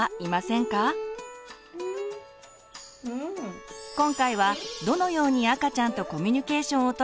今回はどのように赤ちゃんとコミュニケーションをとればいいのか紹介します。